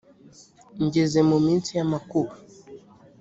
ngeze mu minsi y amakuba